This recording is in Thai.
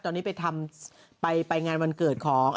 ตอนนี้ไปทำไปงานวันเกิดของ